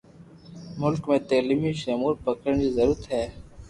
ملڪ ۾ تعليمي شعور پکيڙڻ جي ضرورت آهي.